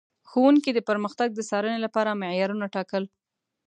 ښوونکي د پرمختګ د څارنې لپاره معیارونه ټاکل.